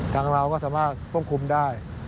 ทางเราก็สามารถควบคุมได้